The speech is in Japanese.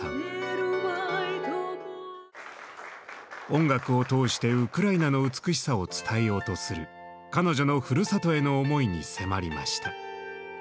音楽を通してウクライナの美しさを伝えようとする彼女のふるさとへの思いに迫りました。